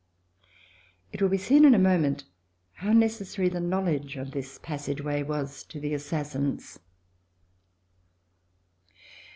It will be seen in a moment how necessary the knowledge of this passageway was to the assassins.